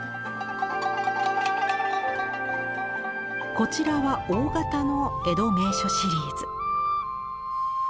こちらは大形の江戸名所シリーズ。